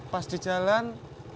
pas di jalan